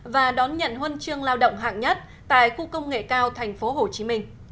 và đón nhận huân chương lao động hạng nhất tại khu công nghệ cao thành phố hồ chí minh